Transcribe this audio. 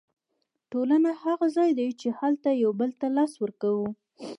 ټولنه هغه ځای دی چې هلته یو بل ته لاس ورکوو.